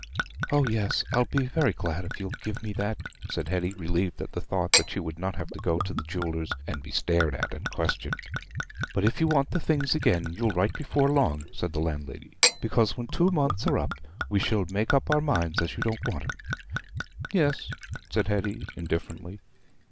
"Oh yes, I'll be very glad if you'll give me that," said Hetty, relieved at the thought that she would not have to go to the jeweller's and be stared at and questioned. "But if you want the things again, you'll write before long," said the landlady, "because when two months are up, we shall make up our minds as you don't want 'em." "Yes," said Hetty indifferently.